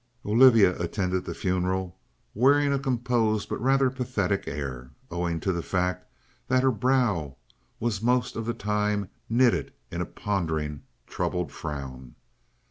Olivia attended the funeral, wearing a composed but rather pathetic air, owing to the fact that her brow was most of the time knitted in a pondering, troubled frown.